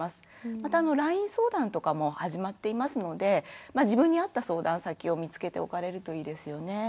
またＬＩＮＥ相談とかも始まっていますので自分に合った相談先を見つけておかれるといいですよね。